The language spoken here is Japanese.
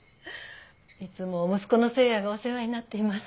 いつも息子の誠也がお世話になっています。